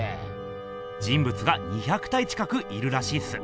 人ぶつが２００体近くいるらしいっす。